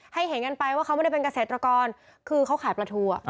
เห็นกันไปว่าเขาไม่ได้เป็นเกษตรกรคือเขาขายปลาทู